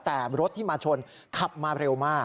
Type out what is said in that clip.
แต่รถที่มาชนขับมาเร็วมาก